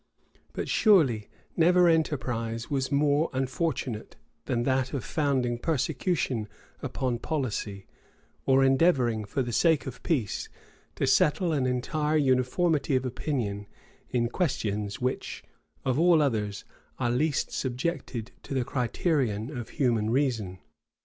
But surely never enterprise was more unfortunate than that of founding persecution upon policy, or endeavoring, for the sake of peace, to settle an entire uniformity of opinion in questions which, of all others, are least subjected to the criterion of human reason.